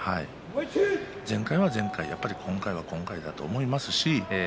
前回は前回今回は今回だと思いますし。